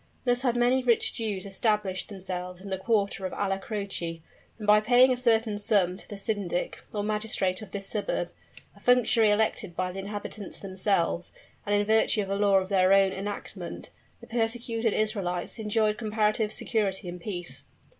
Thus had many rich Jews established themselves in the quarter of Alla Croce; and by paying a certain sum to the syndic, or magistrate of this suburb a functionary elected by the inhabitants themselves, and in virtue of a law of their own enactment the persecuted Israelites enjoyed comparative security and peace.